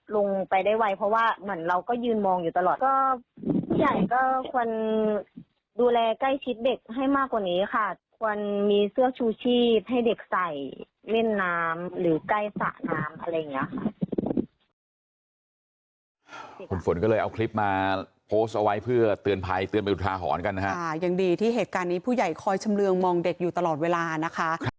ลงไปได้ไว้เพราะว่าเหมือนเราก็ยืนมองอยู่ตลอดก็พี่ใหญ่ก็ควรดูแลใกล้ชิดเด็กให้มากกว่านี้ค่ะควรมีเสื้อชูชีพให้เด็กใส่เล่นน้ำหรือใกล้สระน้ำอะไรอย่างเงี้ยค่ะ